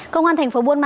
công an tp hcm